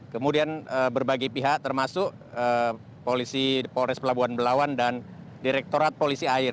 kemudian berbagai pihak termasuk polisi polres pelabuhan belawan dan direktorat polisi air